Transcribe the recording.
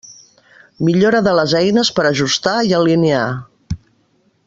Millora de les eines per ajustar i alinear.